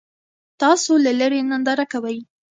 تاسو له لرې ننداره کوئ.